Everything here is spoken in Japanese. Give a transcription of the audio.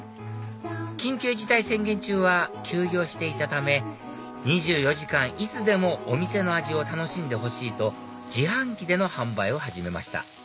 緊急事態宣言中は休業していたため２４時間いつでもお店の味を楽しんでほしいと自販機での販売を始めました